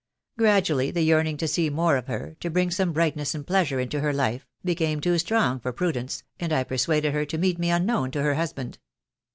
Gradually the yearning to see more of her, to bring some brightness and pleasure into her life, became too strong for prudence, and I persuaded her to meet me unknown to her husband.